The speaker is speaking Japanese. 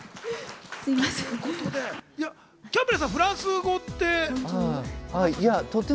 キャンベルさん、フランス語って。